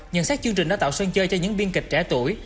nhận xét chương trình đã tạo sơn chơi cho những biên kịch trẻ tuổi